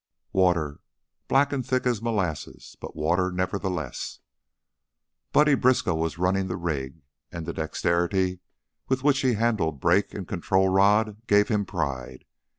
Water! Black and thick as molasses, but water nevertheless. Buddy Briskow was running the rig, and the dexterity with which he handled brake and control rod gave him pride.